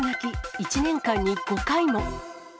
１年間に５回も。